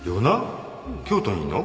京都にいんの？